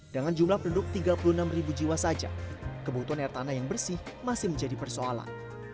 dengan jumlah penduduk tiga puluh enam jiwa saja kebutuhan air tanah yang bersih masih menjadi persoalan